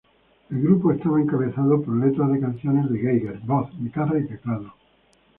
El grupo estaba encabezado por letras de canciones de Geiger, voz, guitarra y teclado.